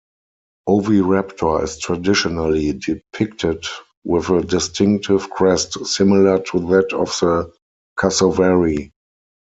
"Oviraptor" is traditionally depicted with a distinctive crest, similar to that of the cassowary.